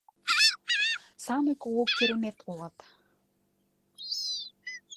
Самый кугу керемет улат!